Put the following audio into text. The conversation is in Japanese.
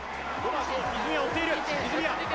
泉谷追っている。